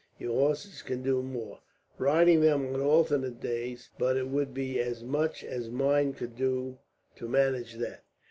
Your horses could do more, riding them on alternate days; but it would be as much as mine could do to manage that."